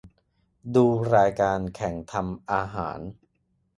ดูรายการแข่งทำอาหาร